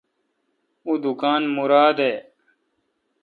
اوں دکان مراد اے°